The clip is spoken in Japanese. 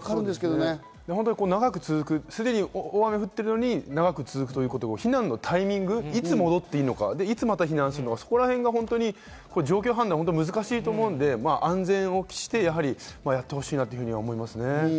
長く続く、すでに大雨が降っていて長く続く、いつも戻っていいのか、またいつ避難するのか、そこら辺の状況判断が難しいと思うので安全を喫してやってほしいなと思いますね。